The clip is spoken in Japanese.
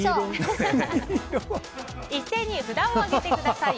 一斉に札を上げてください。